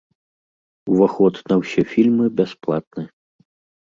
Уваход на ўсе фільмы бясплатны.